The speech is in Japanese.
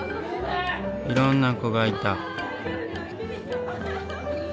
いろんな子がいた。